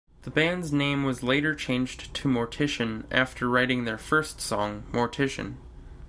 The band's name was later changed to Mortician after writing their first song, "Mortician".